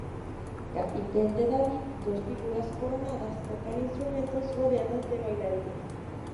Capitel de David: dos figuras coronadas tocan instrumentos rodeadas de bailarines.